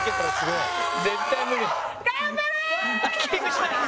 頑張れ！